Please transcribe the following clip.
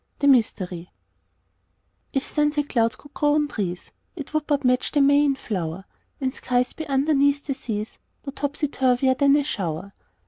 THE MYSTERY If sunset clouds could grow on trees It would but match the may in flower; And skies be underneath the seas No topsyturvier than a shower.